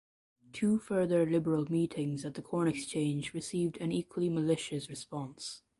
Two further Liberal meetings at the Corn exchange received an equally malicious response.